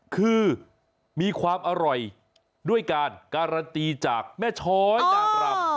คือมีความอร่อยด้วยการการันตีจากแม่ช้อยนางรำ